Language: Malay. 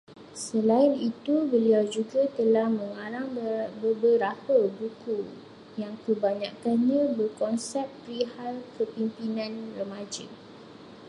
Selain itu, beliau juga telah mengarang beberapa buku yang kebanyakkannya berkonsepkan perihal kepemimpinan remaja